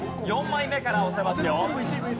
４枚目から押せますよ。